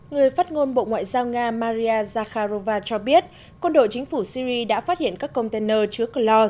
người phát ngôn bộ ngoại giao nga maria zakharova cho biết quân đội chính phủ syri đã phát hiện các container chứa chloor